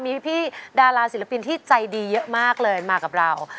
มีพี่ดาราศิลปินที่ใจดีเยอะมากเลยมากับเรา